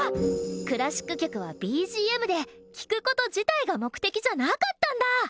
クラシック曲はＢＧＭで聴くこと自体が目的じゃなかったんだ！